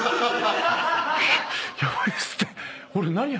ヤバいですって。